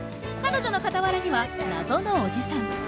彼女の傍らには謎のおじさん。